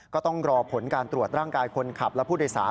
ก็ต้องรอผลการตรวจร่างกายคนขับและผู้โดยสาร